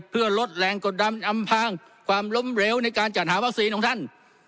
เพื่อลดแรงกดดันอำพางความล้มเหลวในการจัดหาวัคซีนของท่าน